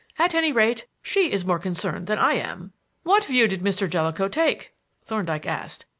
At any rate, she is more concerned than I am." "What view did Mr. Jellicoe take?" Thorndyke asked.